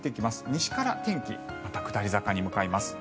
西から天気まだ下り坂に向かいます。